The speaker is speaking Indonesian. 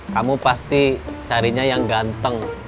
kamu pasti carinya yang ganteng